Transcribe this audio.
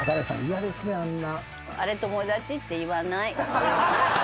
嫌ですねあんな。